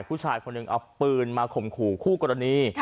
ผู้ชายคนหนึ่งเอาปืนมาข่มขู่คู่กรณี